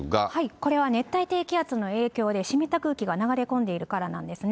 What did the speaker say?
これは熱帯低気圧の影響で湿った空気が流れ込んでいるからなんですね。